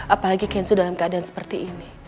apalagi kenzu dalam keadaan seperti ini